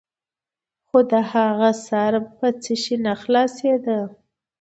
خو د هغه سر په څه شي نه خلاصېده.